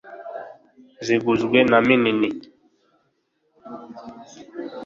ziguzwe na mini :